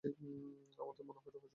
আমার তো মনে হয় রহস্য ভেদ করেছেন।